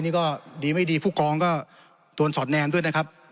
นี่ก็ดีไม่ดีผู้กองก็โดนสอดแนมด้วยนะครับ